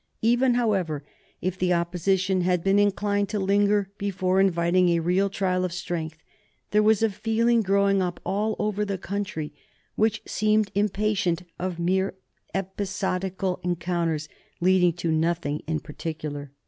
Even, however, if the Opposition had been inclined to linger before inviting a real trial of strength, there was a feeling growing up all over the country which seemed impatient of mere episodical encounters leading to nothing in particular.